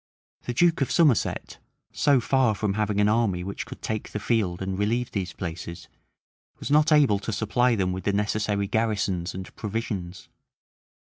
The duke of Somerset, so far from having an army which could take the field and relieve these places, was not able to supply them with the necessary garrisons and provisions.